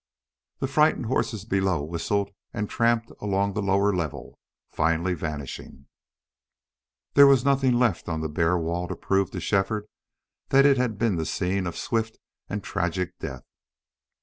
The frightened horses below whistled and tramped along the lower level, finally vanishing. There was nothing left on the bare wall to prove to Shefford that it had been the scene of swift and tragic death.